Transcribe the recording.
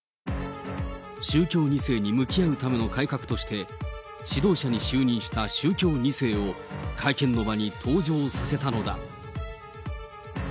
宗教２世に向き合うための改革として、指導者に就任した宗教２世を会見の場に登場させたのだ。